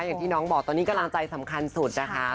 อย่างที่น้องบอกตอนนี้กำลังใจสำคัญสุดนะคะ